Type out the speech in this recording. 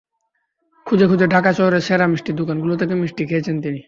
খুঁজে খুঁজে ঢাকা শহরের সেরা মিষ্টির দোকানগুলো থেকে মিষ্টি খেয়েছেন তিনি।